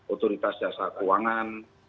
otoritas jasa keuangan